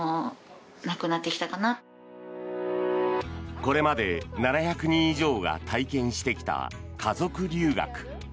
これまで７００人以上が体験してきた家族留学。